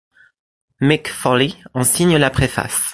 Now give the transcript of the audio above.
Mick Foley en signe la préface.